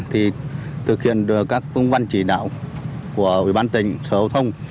thực hiện các công văn chỉ đạo của ủy ban tỉnh sở hữu thông